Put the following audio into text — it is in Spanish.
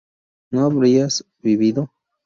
no habríais vivido